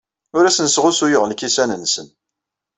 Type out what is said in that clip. Ur asen-sɣusuyeɣ lkisan-nsen.